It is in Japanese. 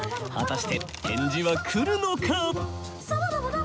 果たして返事は来るのか？